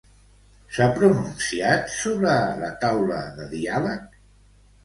S'ha pronunciat sobre la taula de diàleg?